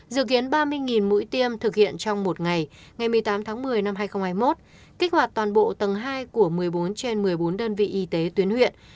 dự kiến ba mươi mũi tiêm thực hiện trong một ngày ngày một mươi tám tháng một mươi năm hai nghìn hai mươi một kích hoạt toàn bộ tầng hai của một mươi bốn trên một mươi bốn đơn vị y tế tuyến huyện